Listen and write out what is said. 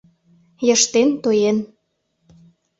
Йыштен — тоен.